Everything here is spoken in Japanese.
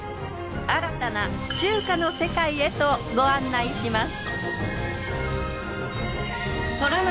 新たな中華の世界へとご案内します。